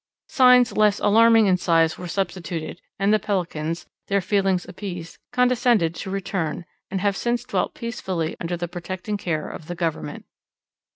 Signs less alarming in size were substituted, and the Pelicans, their feelings appeased, condescended to return, and have since dwelt peacefully under the protecting care of the Government.